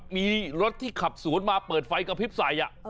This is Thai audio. มีรถที่ขับสวนมาเปิดไฟกระพริบใส่